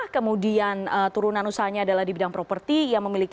kemudian turunan usahanya adalah di bidang properti